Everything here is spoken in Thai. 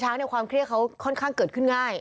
ความเครียดเขาค่อนข้างเกิดขึ้นง่าย